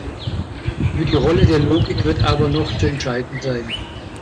Über die Rolle der Logik wird aber noch zu entscheiden sein.